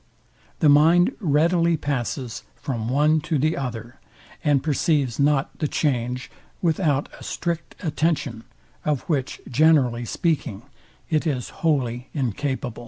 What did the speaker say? The mind readily passes from one to the other, and perceives not the change without a strict attention, of which, generally speaking, it is wholly incapable.